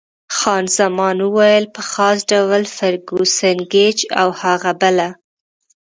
خان زمان وویل: په خاص ډول فرګوسن، ګېج او هغه بله.